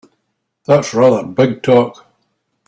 That's rather big talk!